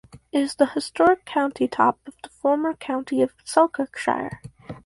It is the historic county top of the former county of Selkirkshire.